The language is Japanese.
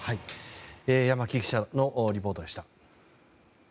山木記者のリポートでした。